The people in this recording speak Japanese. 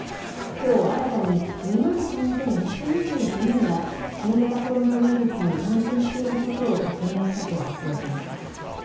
きょう新たに、２万３１２９人が新型コロナウイルスに感染していることを確認したと発表しました。